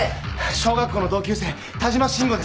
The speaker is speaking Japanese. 小学校の同級生田島慎吾です。